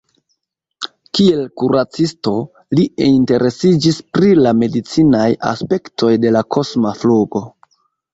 Kiel kuracisto, li interesiĝis pri la medicinaj aspektoj de la kosma flugo.